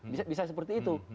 bisa bisa seperti itu